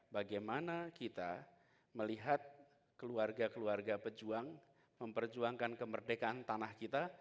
bagaimana kita melihat keluarga keluarga pejuang memperjuangkan kemerdekaan tanah kita